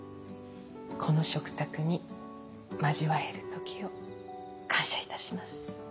この食卓に交わえる時を感謝いたします。